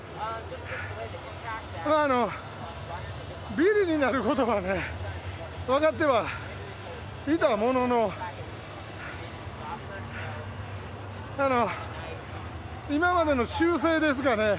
ビリになることは分かってはいたものの今までの習性ですかね。